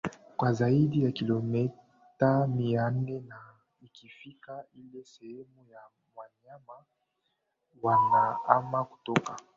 kwa zaidi ya kilomita mia nne na ikifika ile sehemu ya wanyama wanahama kutoka